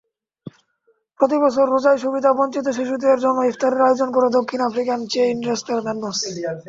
প্রতিবছর রোজায় সুবিধা-বঞ্চিত শিশুদের জন্য ইফতারের আয়োজন করে দক্ষিণ আফ্রিকান চেইন রেস্তোরাঁ নান্দোস।